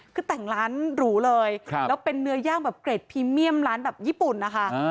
คือแต่งร้านหรูเลยแล้วเป็นเนื้อย่างแบบเกร็ดพรีเมียมร้านแบบญี่ปุ่นนะคะ